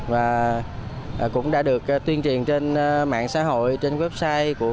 và cũng đã được tuyên truyền trên mạng xã hội trên website của